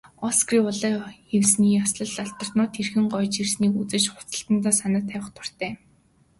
Оскарын улаан хивсний ёслолд алдартнууд хэрхэн гоёж ирснийг үзэж, хувцаслалтдаа санаа авах дуртай.